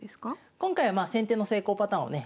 今回はまあ先手の成功パターンをね